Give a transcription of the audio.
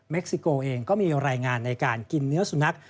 ซิโกเองก็มีรายงานในการกินเนื้อสุนัข